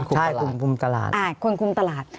ใช่คุมตลาดคุมตลาด